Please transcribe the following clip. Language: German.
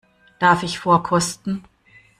Darf ich vorkosten?